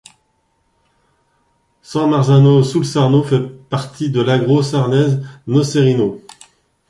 San Marzano sul Sarno fait partie de l'Agro sarnese nocerino.